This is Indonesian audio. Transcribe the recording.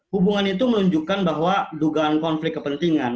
hubungan itu menunjukkan bahwa dugaan konflik kepentingan